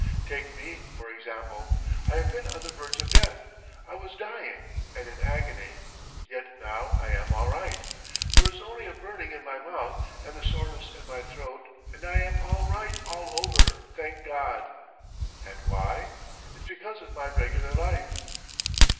Take me, for example. I have been on the verge of death. I was dying and in agony, yet now I am all right. There is only a burning in my mouth and a soreness in my throat, but I am all right all over, thank God. ... And why? It's because of my regular life."